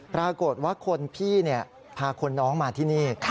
ปรากฏว่าคนพี่พาคนน้องมาที่นี่